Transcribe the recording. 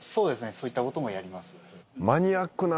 そういった事もやります。